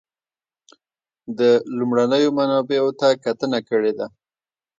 د لومړنیو منابعو ته کتنه کړې ده.